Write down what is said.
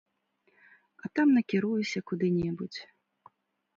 А там накіруюся куды-небудзь.